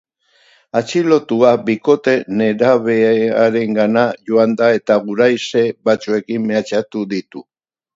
Atxilotua bikote nerabearengana joan da, eta guraize batzuekin mehatxatu ditu.